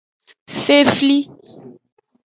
Fefli.